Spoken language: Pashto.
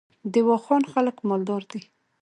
د واخان خلک مالدار دي